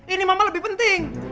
ini mama lebih penting